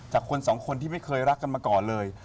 คนสองคนที่ไม่เคยรักกันมาก่อนเลย